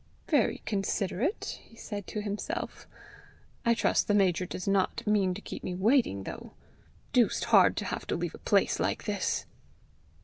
"Very considerate!" he said to himself. "I trust the major does not mean to keep me waiting, though. Deuced hard to have to leave a place like this!"